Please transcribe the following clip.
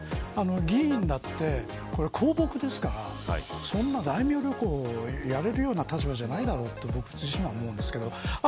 議員だって公僕ですからそんな大名旅行をやれる立場じゃないだろうと思うんですけど。